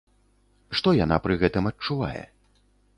Што яна пры гэтым адчувае?